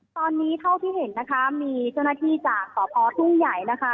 ตอนนี้เท่าที่เห็นนะคะมีเจ้าหน้าที่จากสพทุ่งใหญ่นะคะ